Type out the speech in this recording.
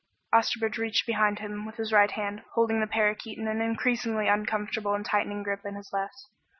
Osterbridge reached behind him with his right hand, holding the parakeet in an increasingly uncomfortable and tightening grip in his left.